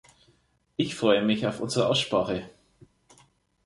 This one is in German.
Ich freue mich auf unsere Aussprache.